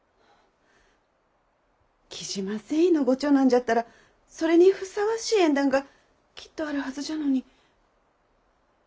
雉真繊維のご長男じゃったらそれにふさわしい縁談がきっとあるはずじゃのに。